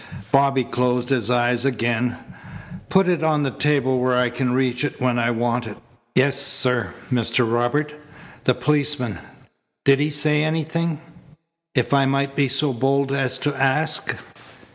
Bobby closed his eyes again. "Put it on the table where I can reach it when I want it." "Yes, sir. Mr. Robert! The policeman? Did he say anything, if I might make so bold as to ask?"